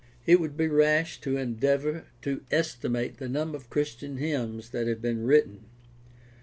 — It would be rash to endeavor to estimate the number of Christian hymns that have been written.